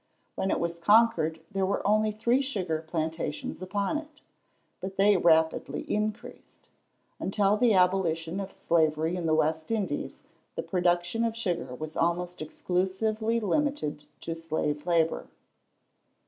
When it was conquered there were only three sugar plantations upon it. But they rapidly increased. Until the abolition of slavery in the West Indies, the production of sugar was almost exclusively limited to slave labour.